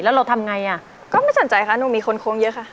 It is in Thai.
แล้วเราทำไงอ่ะก็ไม่สนใจค่ะหนูมีคนโค้งเยอะค่ะ